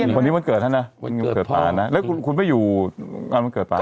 คนนี้วันเกิดแล้วนะแล้วคุณไปอยู่วันเกิดป่า